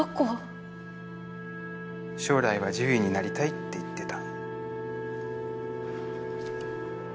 将来は獣医になりたいって言ってた。